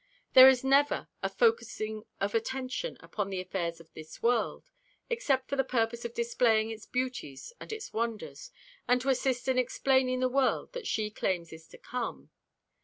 There is never a "focusing of attention upon the affairs of this world," except for the purpose of displaying its beauties and its wonders, and to assist in explaining the world that she claims is to come.